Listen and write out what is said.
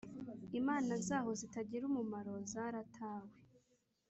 imana zaho zitagira umumaro zaratawe.